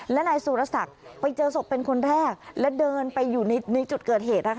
และนายสุรศักดิ์ไปเจอศพเป็นคนแรกและเดินไปอยู่ในจุดเกิดเหตุ